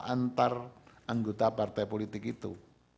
antar anggota partai politik itu